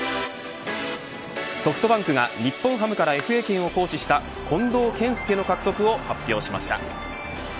ソフトバンクが日本ハムからＦＡ権を行使した近藤健介の獲得を発表しました。